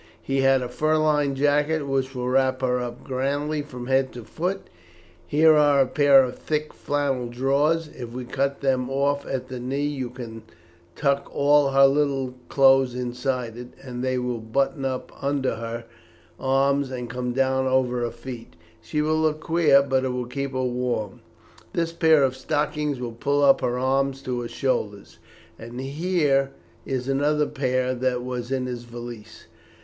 He had a fur lined jacket which will wrap her up grandly from head to foot. Here are a pair of thick flannel drawers. If we cut them off at the knee you can tuck all her little clothes inside it, and they will button up under her arms and come down over her feet. She will look queer, but it will keep her warm. This pair of stockings will pull up her arms to her shoulders, and here is another pair that was in his valise.